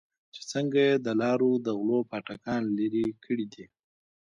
چې څنگه يې د لارو د غلو پاټکان لرې کړې دي.